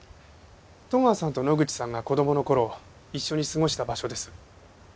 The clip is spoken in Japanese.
戸川さんと野口さんが子供の頃一緒に過ごした場所です。